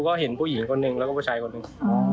ก็เห็นผู้หญิงคนหนึ่งแล้วก็ผู้ชายคนหนึ่ง